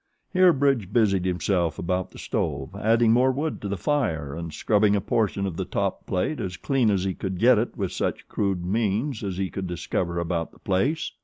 Here Bridge busied himself about the stove, adding more wood to the fire and scrubbing a portion of the top plate as clean as he could get it with such crude means as he could discover about the place.